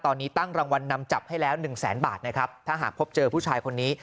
ตอนนี้ตั้งรางวัลนำจับให้แล้วหนึ่งแสนบาทนะครับถ้าหากพบเจอผู้ชายคนนี้